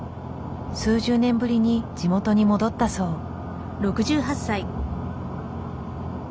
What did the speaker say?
数十年ぶりに地元に戻ったそう。